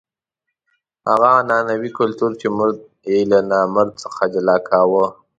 هغه عنعنوي کلتور چې مرد یې له نامرد څخه جلا کاوه.